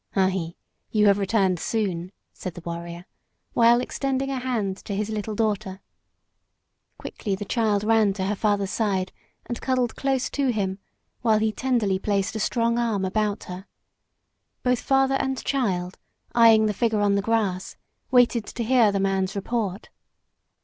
"Hunhe, you have returned soon," said the warrior, while extending a hand to his little daughter. Quickly the child ran to her father's side and cuddled close to him, while he tenderly placed a strong arm about her. Both father and child, eyeing the figure on the grass, waited to hear the man's report.